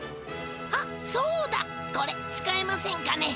あっそうだこれ使えませんかね？